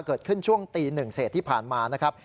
เกิดขึ้นช่วงตี๑เศษที่ผ่านมานะครับ